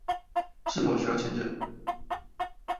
是否需要簽證